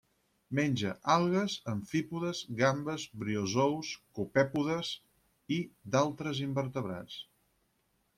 Menja algues, amfípodes, gambes, briozous, copèpodes i d'altres invertebrats.